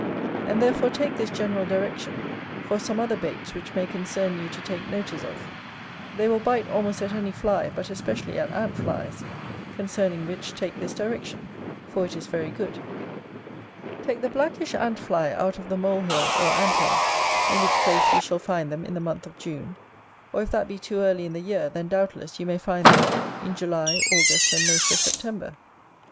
And therefore take this general direction, for some other baits which may concern you to take notice of: they will bite almost at any fly, but especially at ant flies; concerning which take this direction, for it is very good. Take the blackish ant fly out of the mole hill or ant hill, in which place you shall find them in the month of June; or if that be too early in the year, then, doubtless, you may find them in July, August, and most of September.